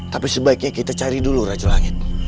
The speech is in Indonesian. tapi sebaiknya kita cari dulu racu langit